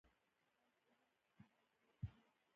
ایا پوهیږئ چې خندا غوره درمل ده؟